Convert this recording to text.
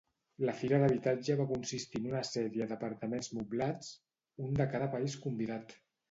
La fira d'habitatge va consistir en una sèrie d'apartaments moblats, un de cada país convidat.